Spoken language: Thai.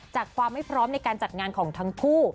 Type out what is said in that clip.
ความไม่พร้อมในการจัดงานของทั้งคู่